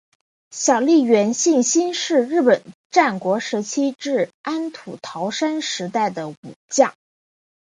小笠原信兴是日本战国时代至安土桃山时代的武将。